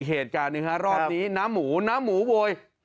เหตุการณ์หนึ่งฮะรอบนี้น้ำหมูน้ำหมูโวย